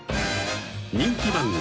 ［人気番組］